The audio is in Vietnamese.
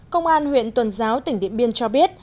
công an huyện tuần giáo tỉnh điện biên cho biết